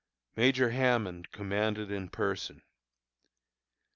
Major Hammond commanded in person.